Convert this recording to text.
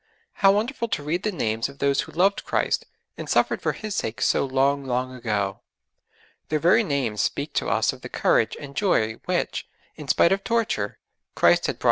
How wonderful to read the names of those who loved Christ and suffered for His sake so long, long ago! Their very names speak to us of the courage and joy which, in spite of torture, Christ had brought into their lives.